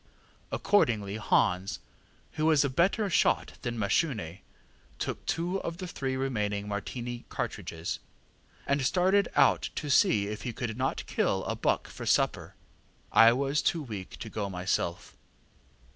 Accordingly Hans, who was a better shot than Mashune, took two of the three remaining Martini cartridges, and started out to see if he could not kill a buck for supper. I was too weak to go myself.